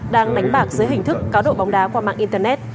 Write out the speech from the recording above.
đang đánh bạc dưới hình thức cá độ bóng đá qua mạng internet